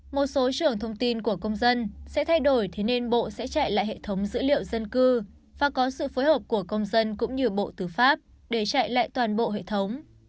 một số trưởng thông tin của công dân sẽ thay đổi thì nên bộ sẽ chạy lại hệ thống dữ liệu dân cư và có sự phối hợp của công dân cũng như bộ tư pháp để chạy lại toàn bộ hệ thống